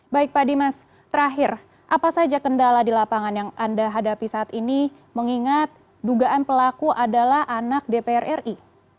baik pak dimas terakhir apa saja kendala di lapangan yang anda hadapi saat ini mengingat dugaan pelaku adalah anak dpr ri